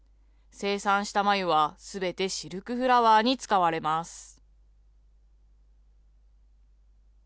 生産した繭はすべてシルクフラワーに使われます。